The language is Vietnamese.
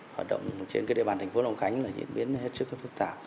hoạt động trên địa bàn thành phố lộng khánh diễn biến hết sức phức tạp